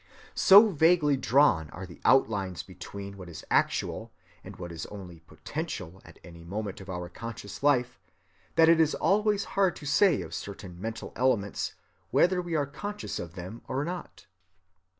So vaguely drawn are the outlines between what is actual and what is only potential at any moment of our conscious life, that it is always hard to say of certain mental elements whether we are conscious of them or not.